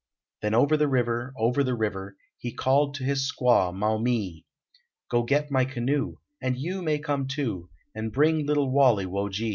Then over the river Over the river He called to his squaw, Maumee, " Go get my canoe, And you may come too, And bring little Walle wo ge.